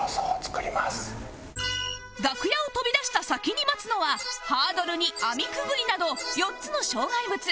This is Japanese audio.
楽屋を飛び出した先に待つのはハードルに網くぐりなど４つの障害物